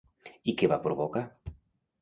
I què va provocar?